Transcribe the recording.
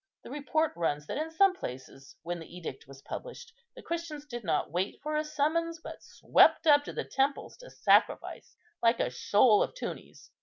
The report runs that in some places, when the edict was published, the Christians did not wait for a summons, but swept up to the temples to sacrifice, like a shoal of tunnies.